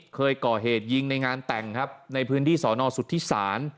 เคยก่อเหตุยิงในงานแต่งครับในพื้นที่สอนอสุทธิศาล